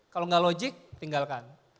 kalau gak logik tinggalkan